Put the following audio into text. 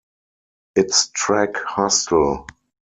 Its track Hustle!